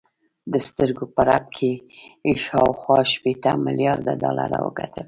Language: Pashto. د سترګو په رپ کې یې شاوخوا شپېته میلارده ډالر وګټل